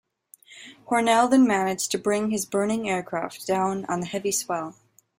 Hornell then managed to bring his burning aircraft down on the heavy swell.